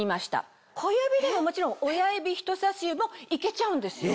小指でももちろん親指人さし指も行けちゃうんですよ。